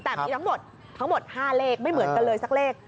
แต่มีทั้งหมดทั้งหมด๕เลขไม่เหมือนกันเลยสักเลข